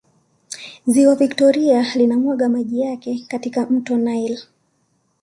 ziwa victoria linamwaga maji yake katika mto nile